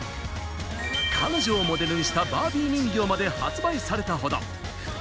彼女をモデルにしたバービー人形まで発売されたほど。